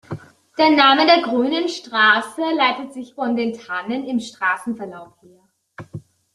Der Name der Grünen Straße leitet sich von den Tannen im Straßenverlauf her.